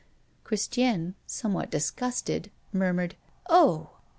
Christiane, somewhat disgusted, murmured: "Oh!"